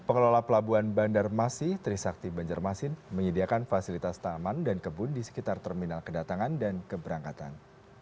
pengelola pelabuhan bandar masih trisakti banjarmasin menyediakan fasilitas tanaman dan kebun di sekitar terminal kedatangan dan keberangkatan